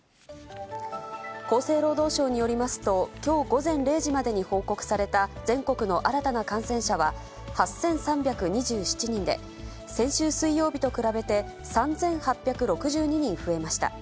厚生労働省によりますと、きょう午前０時までに報告された全国の新たな感染者は、８３２７人で、先週水曜日と比べて３８６２人増えました。